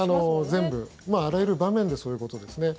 全部あらゆる場面でそういうことですね。